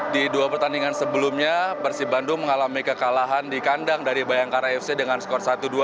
di dua pertandingan sebelumnya persib bandung mengalami kekalahan di kandang dari bayangkara fc dengan skor satu dua